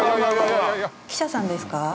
記者さんですか？